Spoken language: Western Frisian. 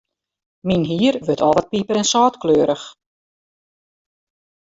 Myn hier wurdt al wat piper-en-sâltkleurich.